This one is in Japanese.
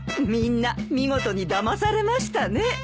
みんな見事にだまされましたね。